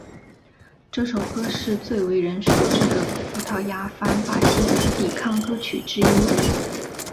这首歌是最为人熟知的葡萄牙反法西斯抵抗歌曲之一。